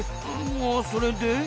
あそれで？